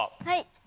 はい。